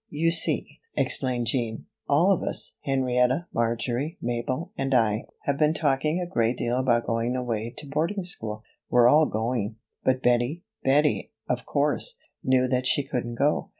"You see," explained Jean, "all of us Henrietta, Marjory, Mabel and I have been talking a great deal about going away to boarding school we're all going. But Bettie Bettie, of course, knew that she couldn't go.